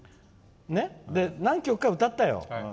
で、何曲か歌ったよ。